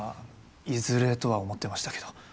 いずれとは思ってましたけど